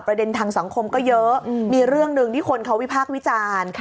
ทางสังคมก็เยอะมีเรื่องหนึ่งที่คนเขาวิพากษ์วิจารณ์